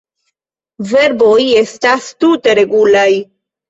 Verboj estas tute regulaj.